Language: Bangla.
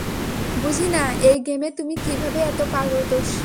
বুঝি না এই গেমে তুমি কীভাবে এত পারদর্শী।